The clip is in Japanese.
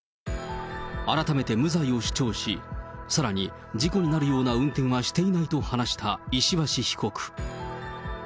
改めて無罪を主張し、さらに、事故になるような運転はしていないと話した石橋被告。